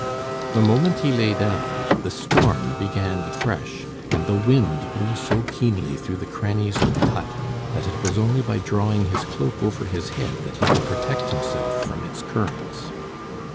The moment he lay down, the storm began afresh, and the wind blew so keenly through the crannies of the hut, that it was only by drawing his cloak over his head that he could protect himself from its currents.